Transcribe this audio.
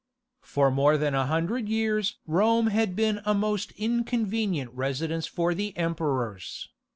For more than a hundred years Rome had been a most inconvenient residence for the emperors.